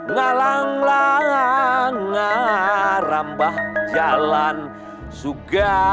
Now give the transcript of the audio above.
ngalang lalang rambah jalan suga